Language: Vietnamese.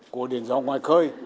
của điện gió ngoài khơi